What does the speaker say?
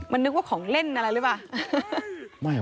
มันนึกว่าของเล่นอะไรหรือเปล่า